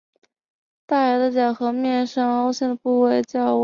大牙的咬合面上凹陷的部位叫窝沟。